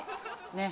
ねっ。